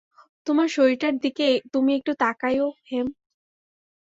তোমার শরীরটার দিকে তুমি একটু তাকাইয়ো হেম।